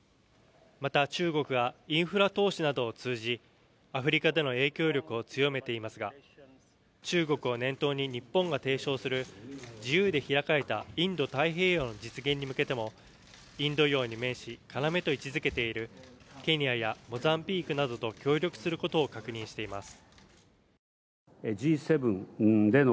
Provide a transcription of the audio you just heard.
また中国がインフラ投資などを通じアフリカでの影響力を強めていますが中国を念頭に日本が提唱する自由で開かれたインド太平洋の実現に向けても、インド洋に面し、要と位置づけているケニアやモザンビークなどと協力することを確認しています。